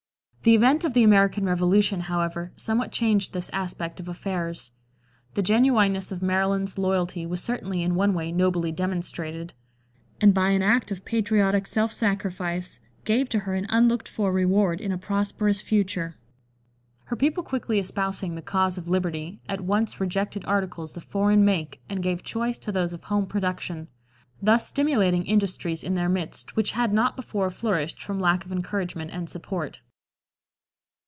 The event of the American Revolution, however, somewhat changed this aspect of affairs. The genuineness of Maryland's loyalty was certainly in one way nobly demonstrated, and by an act of patriotic self sacrifice, gave to her an unlooked for reward in a prosperous future. Her people quickly espousing the cause of liberty, at once rejected articles of foreign make and gave choice to those of home production, thus stimulating industries in their midst which had not before flourished from lack of encouragement and support.